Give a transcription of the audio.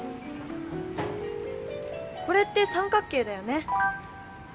これって三角形だよね。